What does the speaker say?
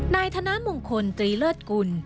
นายธนมงคลตรีเลิศกุล